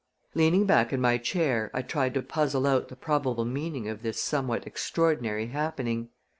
Leaning back in my chair I tried to puzzle out the probable meaning of this somewhat extraordinary happening.